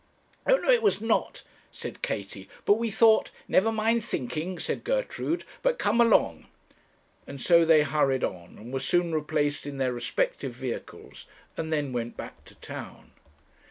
'O no, it was not,' said Katie; 'but we thought ' 'Never mind thinking,' said Gertrude, 'but come along.' And so they hurried on, and were soon replaced in their respective vehicles, and then went back to town.